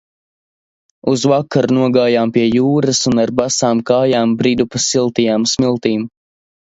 Uz vakaru nogājām pie jūras un ar basām kājām bridu pa siltajām smiltīm.